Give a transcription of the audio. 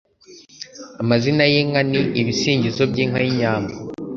Amazina y'inka ni ibisingizo by'inka y'inyambo